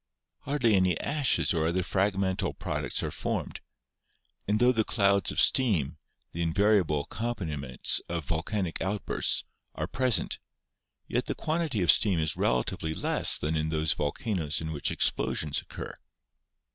Hardly any ashes or other frag mental products are formed; and tho the clouds of steam, the invariable accompaniments of volcanic outbursts, are present, yet the quantity of steam is relatively less than in those volcanoes in which explosions occur.